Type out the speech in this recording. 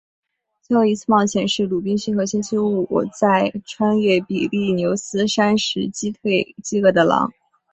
最后一次的冒险是鲁滨逊和星期五在穿越比利牛斯山时击退饥饿的狼。